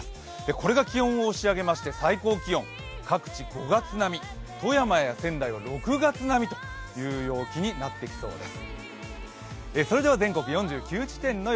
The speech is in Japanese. これが気温を押し上げまして、最高気温、各地５月並み、富山や仙台は６月並みという陽気になっていきそうです。